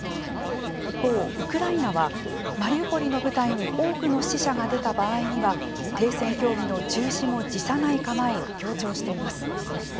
一方、ウクライナはマリウポリの部隊に多くの死者が出た場合には停戦協議の中止も辞さない構えを強調しています。